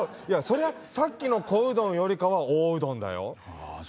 そりゃさっきの小うどんよりかは大うどんだよああ